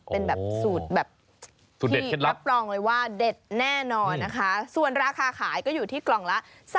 เป็นแบบสูตรแบบที่รับรองเลยว่าเด็ดแน่นอนนะคะส่วนราคาขายก็อยู่ที่กล่องละ